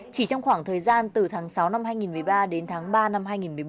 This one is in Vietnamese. chỉ trong khoảng thời gian từ tháng sáu năm hai nghìn một mươi ba đến tháng ba năm hai nghìn một mươi bốn